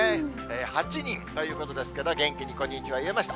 ８人ということですけど、元気にこんにちは言えました。